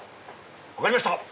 分かりました！